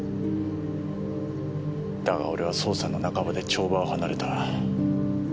だが俺は捜査の半ばで帳場を離れた。